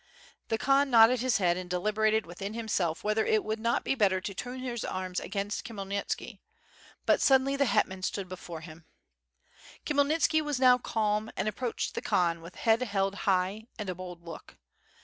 The Khan nodded his head and deliberated within himself whether it would not be better to turn his arms against Khmyelnitski, but suddenly the hetman stood before him. KhmyelnitKki was now calm, and approached the Khan with head held high and a bold look.